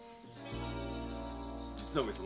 実は上様。